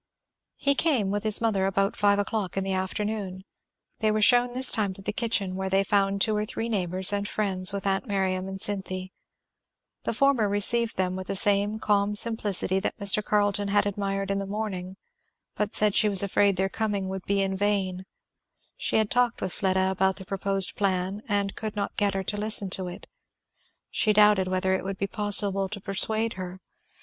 He came, with his mother, about five o'clock in the afternoon. They were shewn this time into the kitchen, where they found two or three neighbours and friends with aunt Miriam and Cynthy. The former received them with the same calm simplicity that Mr. Carleton had admired in the morning, but said she was afraid their coming would be in vain; she had talked with Fleda about the proposed plan and could not get her to listen to it. She doubted whether it would be possible to persuade her.